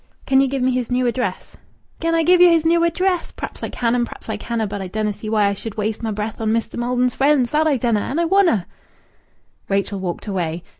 "Can you give me his new address?" "Can I give yer his new address? Pr'aps I can and pr'aps I canna, but I dunna see why I should waste my breath on Mester Maldon's friends that I dunna! And I wunna!" Rachel walked away.